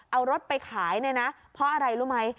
เอารถไปขายเนี่ยนะเพราะอะไรรู้ไหม